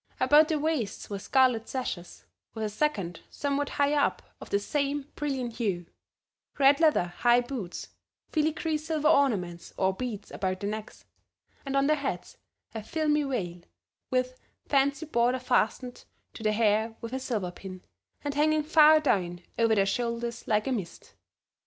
About their waists were scarlet sashes, with a second somewhat higher up of the same brilliant hue; red leather high boots, filigree silver ornaments or beads about their necks, and on their heads a filmy veil with fancy border fastened to the hair with a silver pin, and hanging far down over their shoulders like a mist.